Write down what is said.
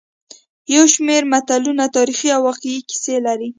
یو شمېر متلونه تاریخي او واقعي کیسې لري